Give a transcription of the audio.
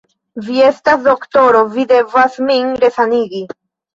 Vi estas doktoro, vi devas min resanigi.